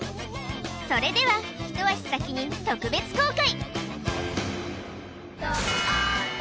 それでは一足先に特別公開！